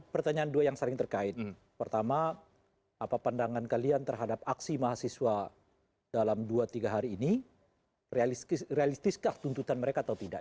penyelidikan mereka atau tidak